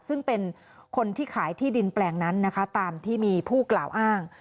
ซึ่งเป็นคนที่ขายที่ดินแปลงนั้นนะคะตามที่มีผู้กล่าวอ้าง